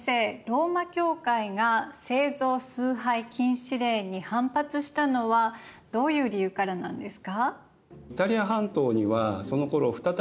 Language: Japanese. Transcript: ローマ教会が聖像崇拝禁止令に反発したのはどういう理由からなんですか？